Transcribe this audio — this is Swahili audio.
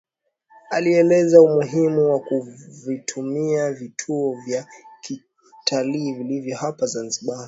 Alieleza umuhimu wa kuvitumia vivutio vya kitalii vilivyo hapa Zanzibar